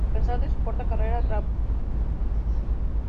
A pesar de su corta carrera, grabó un gran número de registros.